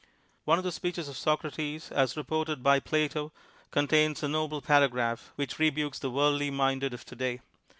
One of the speeches of Socrates as reported by Plato contains a noble paragraph which rebukes the worldly minded of to day.